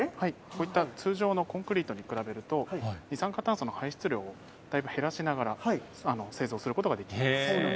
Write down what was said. こういった通常のコンクリートに比べると、二酸化炭素の排出量をだいぶ減らしながら、製造することができま